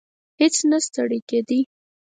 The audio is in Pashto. هیڅ نه ستړی کېدی.